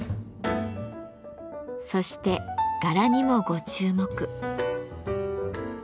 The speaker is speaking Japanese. そして柄にもご注目。